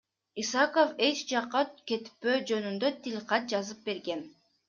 Исаков эч жакка кетпөө жөнүндө тилкат жазып берген.